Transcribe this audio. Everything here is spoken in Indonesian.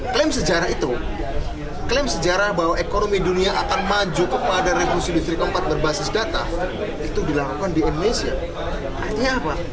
klaim sejarah itu klaim sejarah bahwa ekonomi dunia akan maju kepada revolusi industri keempat berbasis data itu dilakukan di indonesia artinya apa